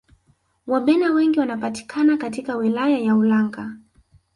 wabena wengi wanapatikana katika wilaya ya ulanga